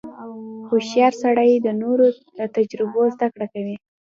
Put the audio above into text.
• هوښیار سړی د نورو له تجربو زدهکړه کوي.